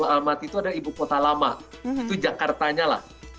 almaty itu ada ibu kota lama itu jakartanya lah